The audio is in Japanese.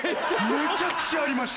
めちゃくちゃありました。